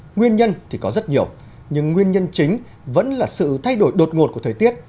nguyên nhân thì có rất nhiều nhưng nguyên nhân chính vẫn là sự thay đổi đột ngột của thời tiết